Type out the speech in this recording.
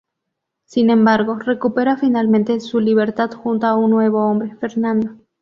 Sin embargo, recupera finalmente su libertad junto a un nuevo hombre, Fernando.